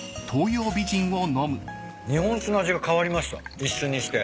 日本酒の味が変わりました一瞬にして。